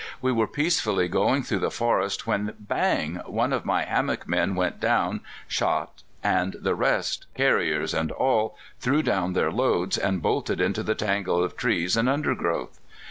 We were peacefully going through the forest when bang! one of my hammock men went down, shot, and the rest, carriers and all, threw down their loads, and bolted into the tangle of trees and undergrowth.